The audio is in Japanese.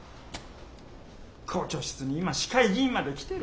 校長室に今市会議員まで来てる。